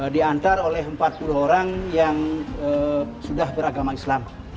diantar oleh empat puluh orang yang sudah beragama islam